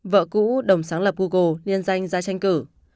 vợ cũ đồng sáng lập google liên danh ra tranh cử